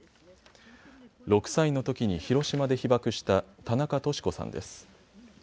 ６歳のときに広島で被爆した田中稔子さんです。